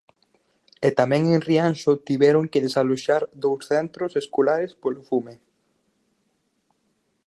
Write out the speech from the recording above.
E tamén en Rianxo tiveron que desaloxar dous centros escolares polo fume.